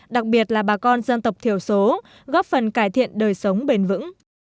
đặc biệt là bà con dân tộc thiểu số góp phần cải thiện đời sống bền vững